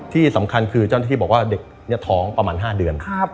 ที่สำคัญคือเจ้าหน้าที่บอกว่าเด็กนี้ท้องประมาณ๕เดือน